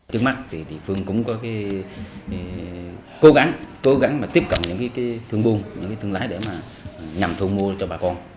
trước mắt thì địa phương cũng có cố gắng cố gắng mà tiếp cận những cái thương buôn những thương lái để mà nhằm thu mua cho bà con